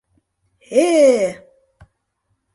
Э-э-э-э-э!..